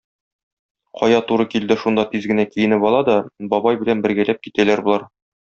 Кая туры килде, шунда тиз генә киенеп ала да, бабай белән бергәләп китәләр болар.